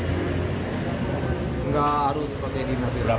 tidak harus pakai dinar dirham